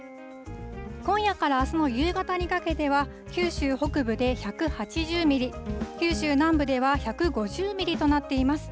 今夜からあすの夕方にかけては、九州北部で１８０ミリ、九州南部では１５０ミリとなっています。